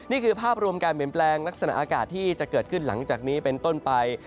นี่คือภาพรวมการเปลี่ยนแปลงลักษณะอากาศที่จะเกิดขึ้นหลังจากนี้เป็นต้นไป